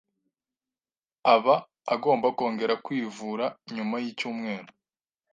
aba agomba kongera kwivura nyuma y'icyumweru.